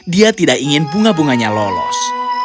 dia tidak ingin bunga bunganya lolos